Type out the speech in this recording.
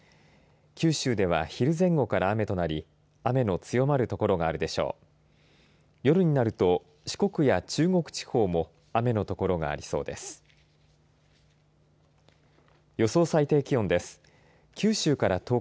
九州では昼前後から雨となり雨の強まる所があるでしょう。